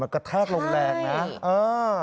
กระแทกโรงแรงเนอะ